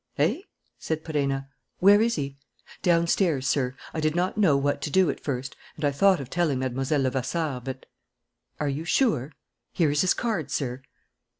"Eh?" said Perenna. "Where is he?" "Downstairs, sir. I did not know what to do, at first ... and I thought of telling Mlle. Levasseur. But " "Are you sure?" "Here is his card, sir."